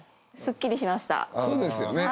そうですよね。